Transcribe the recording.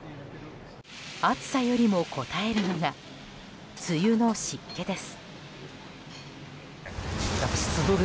暑さよりもこたえるのが梅雨の湿気です。